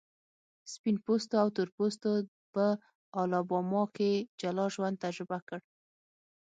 سپین پوستو او تور پوستو په الاباما کې جلا ژوند تجربه کړ.